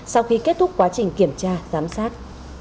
sau khi kết thúc quá trình kiểm tra giám sát